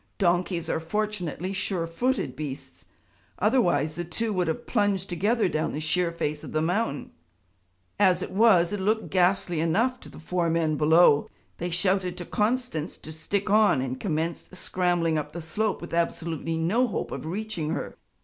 Donkeys are fortunately sure footed beasts; otherwise the two would have plunged together down the sheer face of the mountain. As it was it looked ghastly enough to the four men below; they shouted to Constance to stick on, and commenced scrambling up the slope with absolutely no hope of reaching her.